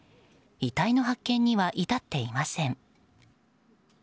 遺体の発見には至っていません。